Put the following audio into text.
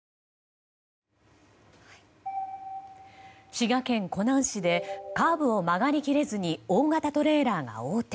滋賀県湖南市でカーブを曲がり切れずに大型トレーラーが横転。